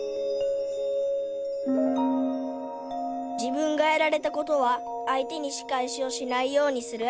「自分がやられたことは相手にしかえしをしないようにする」。